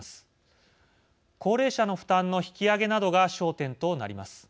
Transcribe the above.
高齢者の負担の引き上げなどが焦点となります。